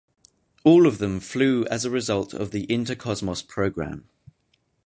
All of them flew as a result of the Intercosmos program.